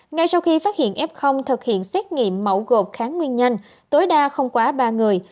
ngay sau khi phát hiện f thực hiện xét nghiệm mẫu gộp kháng nguyên nhanh tối đa không quá ba người